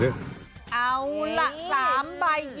เอาล่ะ๓ใบ